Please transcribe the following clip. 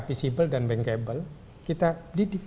visible dan bankable kita didik